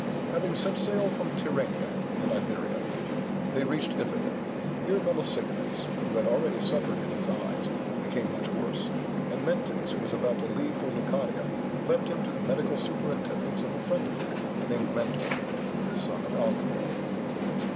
Having set sail from Tyrrhenia and Iberia, they reached Ithaca. Here Melesigenes, who had already suffered in his eyes, became much worse, and Mentes, who was about to leave for Leucadia, left him to the medical superintendence of a friend of his, named Mentor, the son of Alcinor.